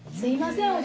すみません。